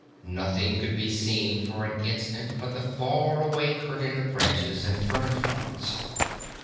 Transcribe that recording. Nothing could be seen for an instant but the far away curtain of branches and fern fronds.